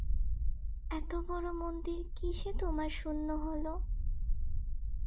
এত বড়ো মন্দির কিসে তোমার শূন্য হল?